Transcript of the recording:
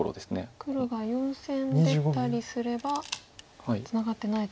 黒が４線出たりすればツナがってないと。